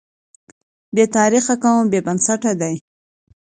بې تاریخه قوم بې بنسټه دی.